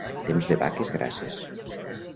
Temps de vaques grasses.